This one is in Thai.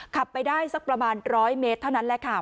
ขับไปได้สักประมาณ๑๐๐เมตรเท่านั้นแหละค่ะ